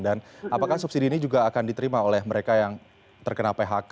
dan apakah subsidi ini juga akan diterima oleh mereka yang terkena phk